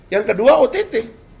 yang kedua ott